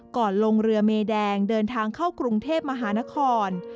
ลงเรือเมแดงเดินทางเข้ากรุงเทพมหานคร